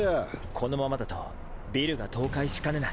このままだとビルが倒壊しかねない。